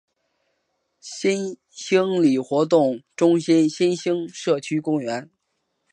新兴里活动中心新兴社区公园